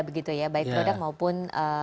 baik produk maupun